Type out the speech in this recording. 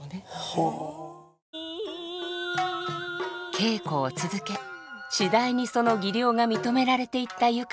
稽古を続け次第にその技量が認められていった佑歌さん。